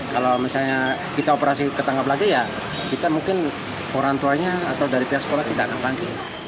kalau misalnya kita operasi ketangkap lagi ya kita mungkin orang tuanya atau dari pihak sekolah tidak akan panggil